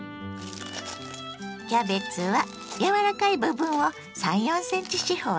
キャベツは柔らかい部分を３４ｃｍ四方にちぎります。